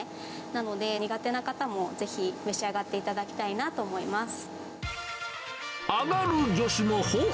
なので、苦手な方もぜひ召し上がっていただきたいなと思います。